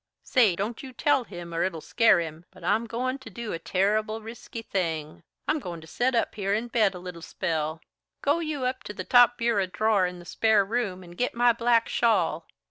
Say, don't you tell him, or it'll scare him, but I'm goin' to do a terrible resky thing. I'm goin' to set up here in the bed a little spell. Go you up to the top bureau drawer in the spare room and git my black shawl.